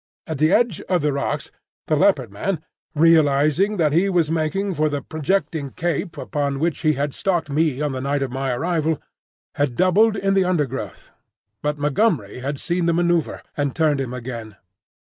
At the edge of the rocks the Leopard man, realising that he was making for the projecting cape upon which he had stalked me on the night of my arrival, had doubled in the undergrowth; but Montgomery had seen the manoeuvre, and turned him again.